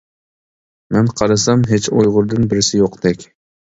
مەن قارىسام ھېچ ئۇيغۇردىن بىرسى يوقتەك.